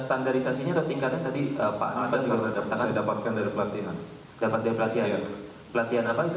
ada tingkatnya tadi apaan ada dapatkan dari pelatihan dapatnya pelatihan pelatihan apa itu